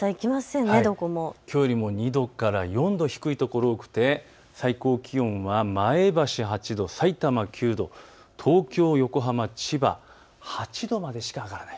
きょうよりも２度から４度低いところが多くて、最高気温は前橋８度、さいたま９度、東京、横浜、千葉８度までしか上がらない。